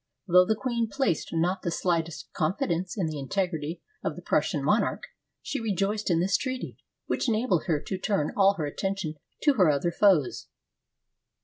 Though the queen placed not the slightest con fidence in the integrity of the Prussian monarch, she re joiced in this treaty, which enabled her to turn all her attention to her other foes.